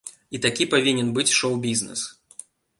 І такі павінен быць шоў-бізнес.